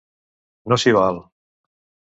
No s'hi val.